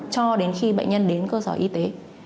cho đến khi bệnh nhân đến cơ sở y tế